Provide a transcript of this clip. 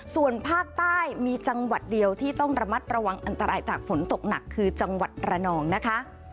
ส่วนภาคใต้มีจังหวัดเดียวที่ต้องระมัดระวังอันตรายจากฝนตกหนักคือจังหวัดระนองนะคะ